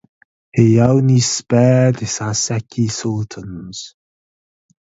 He only spared his Haseki Sultans.